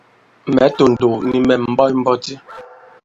Mɛ̌ tòndòw, nì mɛ̀ mɛ̀ ɓɔt mbɔti.